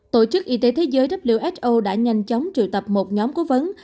tổ chức y tế thế giới who đã nhanh chóng triệu tập một nhóm cố vấn